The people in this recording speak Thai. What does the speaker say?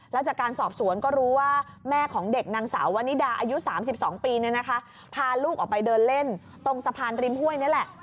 แล้วจากการสอบสวนก็รู้ว่าแม่ของเด็กนางสาววนิดาอายุ๓๒ปีพาลูกออกไปเดินเล่นตรงสะพานริมห้วยนี่แหละ